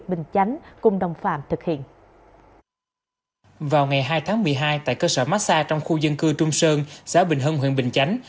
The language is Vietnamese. vào ngày hai tháng một mươi hai tại cơ sở massage trong khu dân cư trung sơn xã bình hưng huyện bình chánh